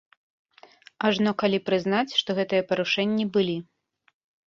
Ажно калі прызнаць, што гэтыя парушэнні былі.